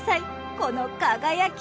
この輝き。